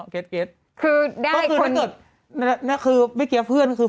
ก็คือไม่เกียรติเพื่อน